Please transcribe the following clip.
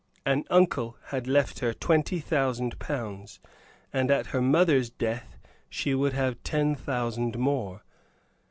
An uncle had left her twenty thousand pounds, and at her mother's death she would have ten thousand more.